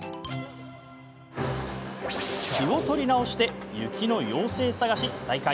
気を取り直して雪の妖精探し再開。